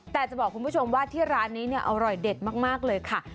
แต่จะบอกคุณผู้ชมว่าที่ร้านนี้เนี่ยอร่อยเด็ดมากเลยค่ะ